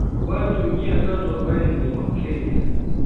Watu mia tatu arobaini ni wakenya